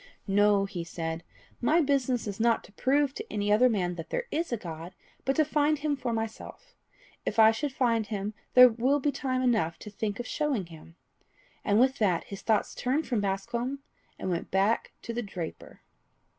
"No," he said, "my business is not to prove to any other man that there is a God, but to find him for myself. If I should find him, then will be time enough to think of showing him." And with that his thoughts turned from Bascombe, and went back to the draper.